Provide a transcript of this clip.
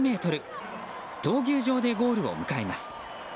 闘牛場でゴールを迎えます。